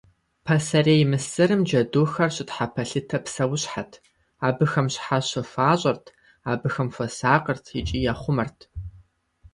Пасэрей Мысырым джэдухэр щытхьэпэлъытэ псэущхьэт, абыхэм щхьэщэ хуащӏырт, абыхэм хуэсакъырт икӏи яхъумэрт.